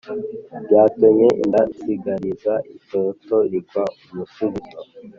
Ryatonnye indasigariza Itoto rigwa umusubizo.